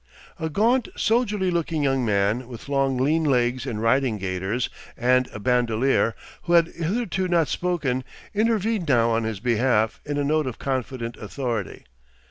A gaunt soldierly looking young man with long lean legs in riding gaiters and a bandolier, who had hitherto not spoken, intervened now on his behalf in a note of confident authority.